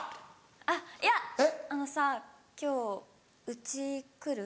あっいやあのさ今日うち来る？